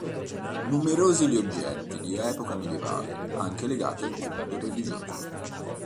Numerosi gli oggetti di epoca medievale, anche legati al culto religioso.